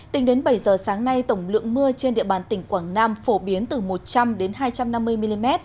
tính đến bảy giờ sáng nay tổng lượng mưa trên địa bàn tỉnh quảng nam phổ biến từ một trăm linh hai trăm năm mươi mm